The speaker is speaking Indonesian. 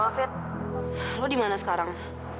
david lo dimana sekarang